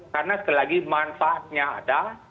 karena sekali lagi manfaatnya ada